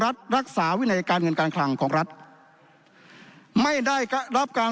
รัฐรักษาวินัยการเงินการคลังของรัฐไม่ได้รับการ